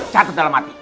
catat dalam hati